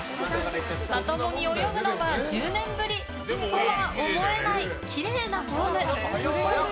まともに泳ぐのは１０年ぶりとは思えないきれいなフォーム。